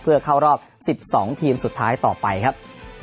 เพื่อเข้ารอบ๑๒ทีมสุดท้ายต่อไปครับ